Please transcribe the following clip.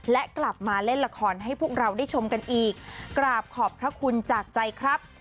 และกลับมาเล่นละครให้พวกเราได้ชมกันอีกกราบขอบพระคุณจากใจครับ